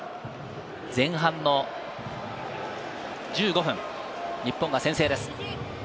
前半１５分、日本が先制です。